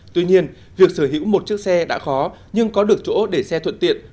tuy nhiên việc sở hữu một chiếc xe đã khó nhưng có được chỗ để xe thuận tiện